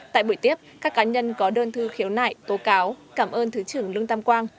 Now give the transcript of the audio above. tại buổi tiếp các cá nhân có đơn thư khiếu nại tố cáo cảm ơn thứ trưởng lương tam quang